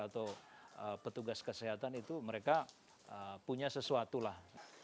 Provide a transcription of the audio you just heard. atau petugas kesehatan itu mereka punya sesuatu lah